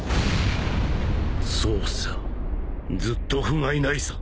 そうさずっとふがいないさ